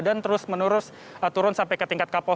dan terus menerus turun sampai ke tingkat kapol